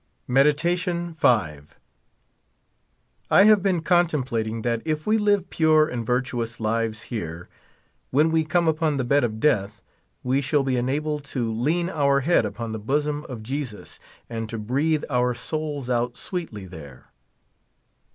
Meditation V. I have been contemplating that if we live pure and vir tuous lives here, when we come upon the bed of death we shall be enabled to lean our head upon the bosom of Jesus, and to breathe our souls out sweetly there.